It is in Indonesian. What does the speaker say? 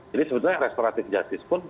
jadi sebetulnya restoratif justice pun